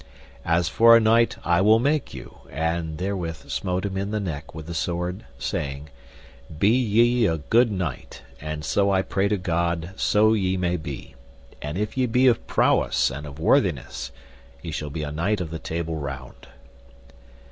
As for a knight I will make you, and therewith smote him in the neck with the sword, saying, Be ye a good knight, and so I pray to God so ye may be, and if ye be of prowess and of worthiness ye shall be a knight of the Table Round.